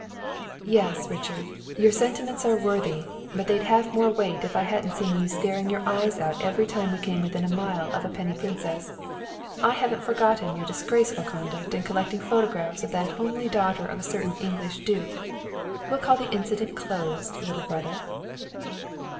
"Yes, Richard! Your sentiments are worthy, but they'd have more weight if I hadn't seen you staring your eyes out every time we came within a mile of a penny princess. I haven't forgotten your disgraceful conduct in collecting photographs of that homely daughter of a certain English duke. We'll call the incident closed, little brother."